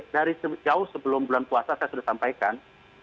dari jauh sebelum bulan puasa saya sudah sampaikan